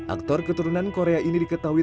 aktor keturunan korea ini diketahui